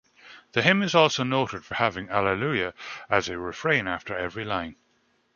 The hymn is also noted for having Alleluia as a refrain after every line.